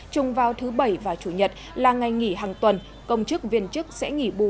chung vào thứ bảy và chủ nhật là ngày nghỉ hàng tuần công chức viên chức sẽ nghỉ bù